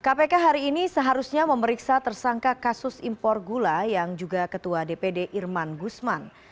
kpk hari ini seharusnya memeriksa tersangka kasus impor gula yang juga ketua dpd irman gusman